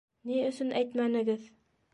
- Ни өсөн әйтмәнегеҙ?